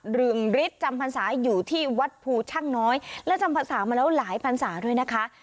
ดึงฤทธิ์จำภาษาอยู่ที่วัดภูช่างน้อยและจำภาษามาแล้วหลายภาษาด้วยนะคะ